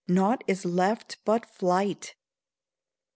nought is left but flight. XV.